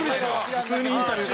普通にインタビュー。